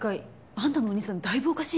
あんたのお兄さんだいぶおかしいわ。